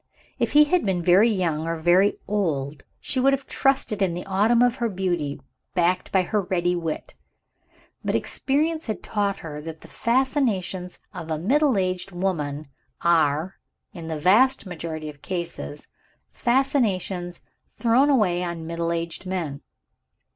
If he had been very young, or very old, she would have trusted in the autumn of her beauty, backed by her ready wit. But experience had taught her that the fascinations of a middle aged woman are, in the vast majority of cases, fascinations thrown away on a middle aged man.